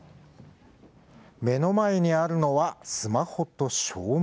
目の前にあるのは、スマホと照明？